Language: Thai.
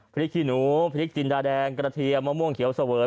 ขี้หนูพริกจินดาแดงกระเทียมมะม่วงเขียวเสวย